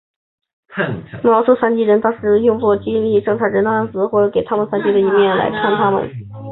该词描述了残疾人仅被当做用来激励正常人的例子或仅从他们残疾的一面来看他们。